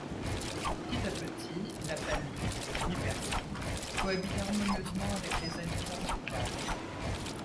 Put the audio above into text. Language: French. Petit à petit, la famille, huit personnes, cohabite harmonieusement avec les habitants du village.